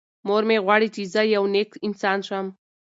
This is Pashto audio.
مور مې غواړي چې زه یو نېک انسان شم.